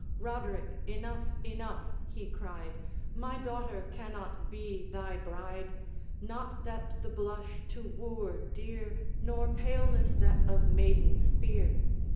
'Roderick, enough! enough!' he cried, 'My daughter cannot be thy bride; Not that the blush to wooer dear, Nor paleness that of maiden fear.